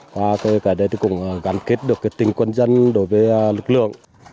qua cơ hội cả đây cũng gắn kết được tình quân dân đối với lực lượng